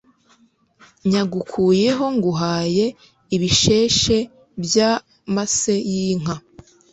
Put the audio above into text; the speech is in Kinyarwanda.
nyagukuyeho nguhaye ibisheshe by amase y inka